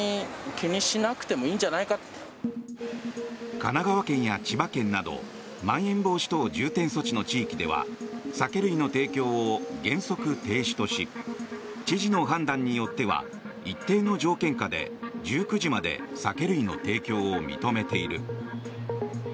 神奈川県や千葉県などまん延防止等重点措置の地域では酒類の提供を原則停止とし知事の判断によっては一定の条件下で１９時まで酒類の提供を認めている。